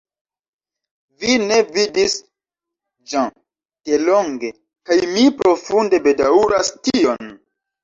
Mi ne vidis Jean delonge, kaj mi profunde bedaŭras tion.